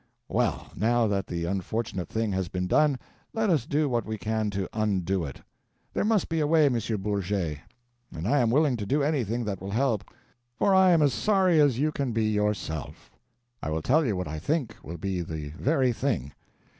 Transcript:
Well, now that the unfortunate thing has been done, let us do what we can to undo it. There must be a way, M. Bourget, and I am willing to do anything that will help; for I am as sorry as you can be yourself. I will tell you what I think will be the very thing.